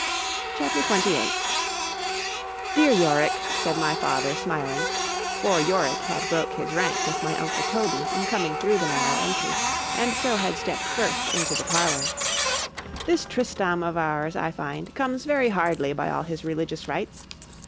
C H A P. XXVIII DEAR Yorick, said my father smiling (for Yorick had broke his rank with my uncle Toby in coming through the narrow entry, and so had stept first into the parlour)—this Tristram of ours, I find, comes very hardly by all his religious rites.